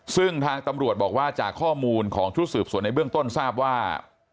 ซึ่งทางตำรวจบอกว่าจากข้อมูลของชุดสืบสวนในเบื้องต้นทราบว่า